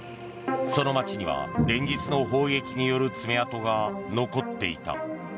その街には、連日の砲撃による爪痕が残っていた。